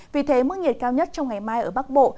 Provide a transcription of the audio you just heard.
vì thế mức nhiệt cao nhất trong ngày mai ở bắc bộ